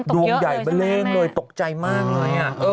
ดวงใหญ่บะเร่งเลยตกใจมากเลยอ่ะ